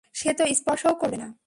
সে তো স্পর্শও করবে না।